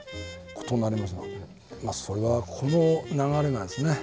それはこの流れなんですね。